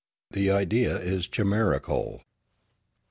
The idea is chimerical.